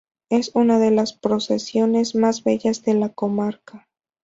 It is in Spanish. Es una de las procesiones más bellas de la comarca.